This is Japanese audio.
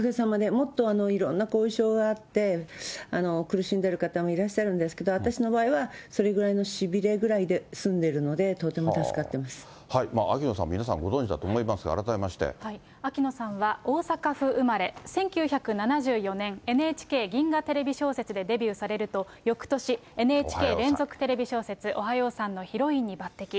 もっといろんな後遺症があって、苦しんでる方もいらっしゃるんですけど、私の場合は、それぐらいの、しびれぐらいで済んでるので、とても助かっていま秋野さん、皆さんご存じだと秋野さんは大阪府生まれ、１９７４年、ＮＨＫ銀河テレビ小説でデビューされると、よくとし、ＮＨＫ連続テレビ小説、おはようさんのヒロインに抜てき。